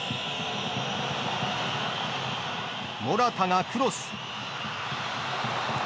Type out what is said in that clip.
モラタがクロス。